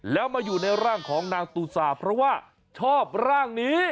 แล้วมาอยู่ในร่างของนางตูซาเพราะว่าชอบร่างนี้